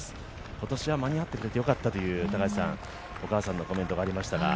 今年は間に合ってよかったというお母さんのコメントがありましたが。